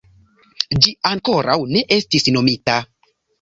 Ĝi ankoraŭ ne estis nomita.